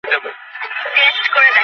চলো, এগুতে থাকি!